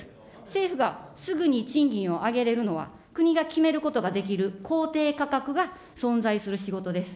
政府がすぐに賃金を上げれるのは、国が決めることができる公定価格が存在する仕事です。